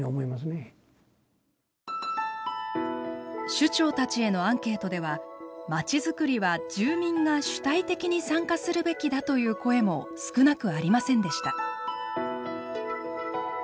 首長たちへのアンケートではまちづくりは住民が主体的に参加するべきだという声も少なくありませんでした。